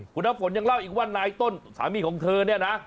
คุณน้ำฝนยังเล่าอีกว่านายต้นสามีของเธอเนี่ยนะ